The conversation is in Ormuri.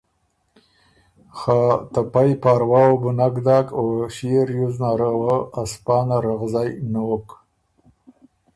خه ته پئ پاروا وه بو نک داک او ݭيې ریوز نره وه ا سپانه رغزئ نوک